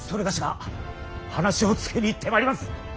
某が話をつけに行ってまいります！